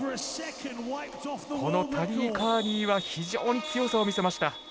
このタリー・カーニーは非常に強さを見せました。